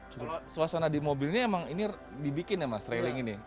coba suasana di mobil ini emang ini dibikin ya mas railing ini